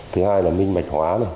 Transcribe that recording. thứ hai là minh mạch hóa này